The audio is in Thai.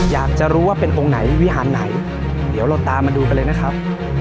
อยากจะรู้ว่าเป็นองค์ไหนวิหารไหนเดี๋ยวเราตามมาดูกันเลยนะครับ